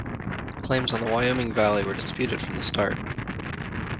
Claims on the Wyoming Valley were disputed from the start.